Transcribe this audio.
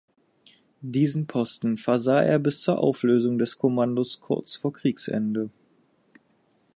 Diesen Posten versah er bis zur Auflösung des Kommandos kurz vor Kriegsende.